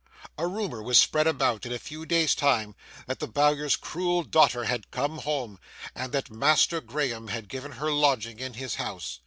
A rumour was spread about, in a few days' time, that the Bowyer's cruel daughter had come home, and that Master Graham had given her lodging in his house.